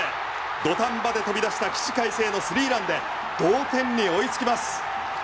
土壇場で飛び出した起死回生のスリーランで同点に追いつきます。